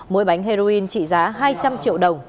mỗi bánh heroin trị giá hai trăm linh triệu đồng